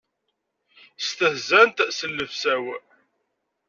Stehzant s llebsa-w.